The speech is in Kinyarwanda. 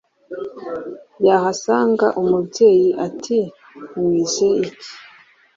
yahasanga umubyeyi ati ‘mwize iki’